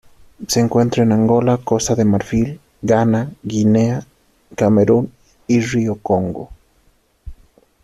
Se encuentra en Angola, Costa de Marfil, Ghana, Guinea, Camerún y río Congo.